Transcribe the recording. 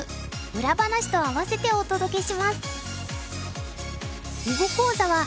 裏話と併せてお届けします。